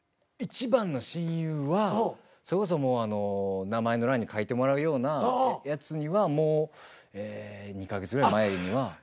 いちばんの親友はそれこそもうあの名前の欄に書いてもらうようなやつにはもうええ２か月ぐらい前には。